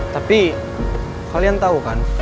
tapi kalian tau kan